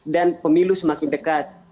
dan pemilu semakin dekat